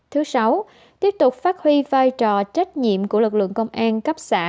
thứ sáu tiếp tục phát huy vai trò trách nhiệm của lực lượng công an cấp xã